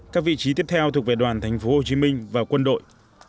các vị trí tiếp theo thuộc về đoàn tp hcm và quân đội